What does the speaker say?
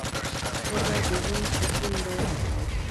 ښځه د ژوند سکون دی